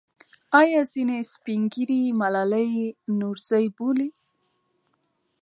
آیا ځینې سپین ږیري ملالۍ نورزۍ بولي؟